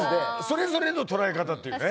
それぞれの捉え方っていうかね。